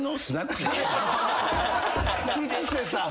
吉瀬さん。